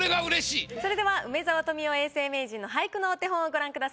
それでは梅沢富美男永世名人の俳句のお手本をご覧ください。